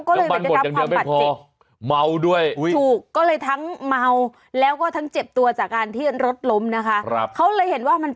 คือเขาก็เลย